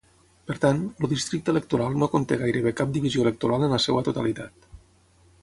Per tant, el districte electoral no conté gairebé cap divisió electoral en la seva totalitat.